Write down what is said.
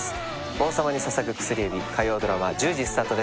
「王様に捧ぐ薬指」火曜ドラマ１０時スタートです